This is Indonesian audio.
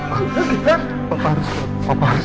bapak harus berbahaya